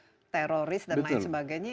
kasus teroris dan lain sebagainya